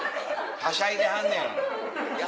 はしゃいではんのや。